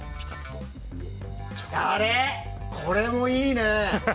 これもいいね！